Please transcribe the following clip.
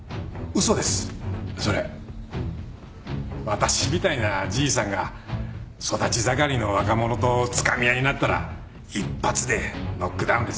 私みたいなじいさんが育ち盛りの若者とつかみ合いになったら一発でノックダウンですよ。